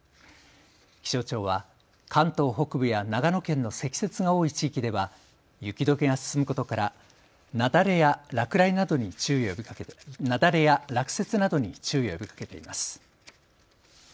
気象庁は関東北部や長野県の積雪が多い地域では雪どけが進むことから雪崩や落雪などに注意を呼びかけています。